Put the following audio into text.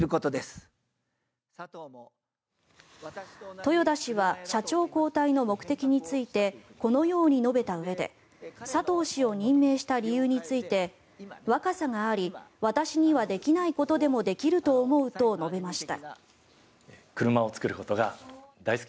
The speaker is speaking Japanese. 豊田氏は社長交代の目的についてこのように述べたうえで佐藤氏を任命した理由について若さがあり私にはできないことでもできると思うと述べました。